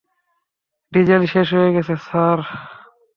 Diesel শেষ হয়ে গেছে, স্যার।